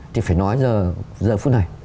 thì phải nói giờ phút này